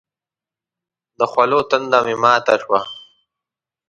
د خولو تنده مې ماته شوه.